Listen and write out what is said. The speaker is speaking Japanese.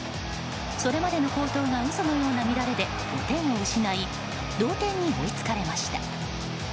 それまでの好投が嘘のような乱れで５点を失い同点に追いつかれました。